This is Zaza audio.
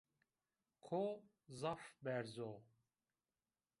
Ko zaf berz o